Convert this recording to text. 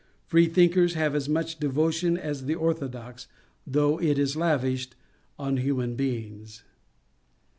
Freethinkers have as much devotion as the orthodox, though it is lavished on human beings.